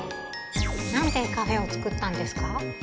なんでカフェを作ったんですか？